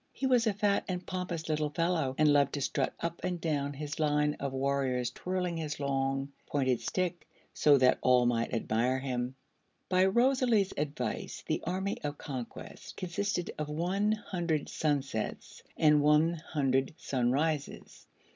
He was a fat and pompous little fellow and loved to strut up and down his line of warriors twirling his long pointed stick so that all might admire him. By Rosalie's advice the Army of Conquest consisted of one hundred Sunsets and one hundred Sunrises.